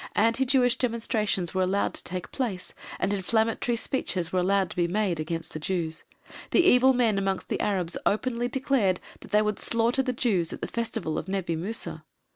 Anti Jewish demonstrations were allowed to take place and inflammatory speeches were allowed to be made against the Jews. The evil men amongst the Arabs openly declared that they would slaughter the Jews at the Festival of Nebi Musa.